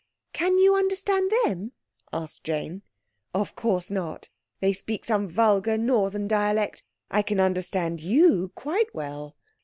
"Can you understand them?" asked Jane. "Of course not; they speak some vulgar, Northern dialect. I can understand you quite well."